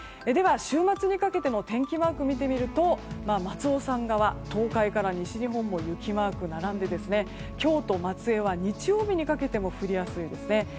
では、週末にかけての天気マークを見てみると松尾さん側、東海から西日本も雪マークが並んで京都、松江は日曜日にかけても降りやすいですね。